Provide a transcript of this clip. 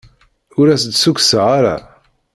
Ur as-d-ssukkseɣ ara.